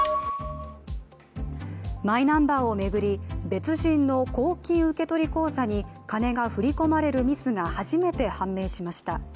マイナンバーを巡り、別人の公金受取口座に金が振り込まれるミスが初めて判明しました。